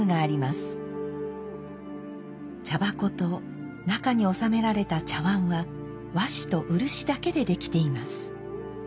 茶箱と中におさめられた茶碗は和紙と漆だけで出来ています。